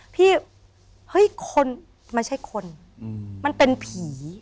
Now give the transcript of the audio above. พี่เฮ้ยคนมันใช่คนอืมมันเป็นผี